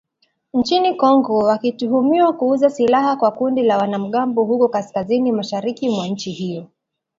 nchini Kongo wakituhumiwa kuuza silaha kwa kundi la wanamgambo huko kaskazini-mashariki mwa nchi hiyo